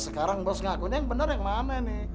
sekarang bos ngakunya yang benar yang mana nih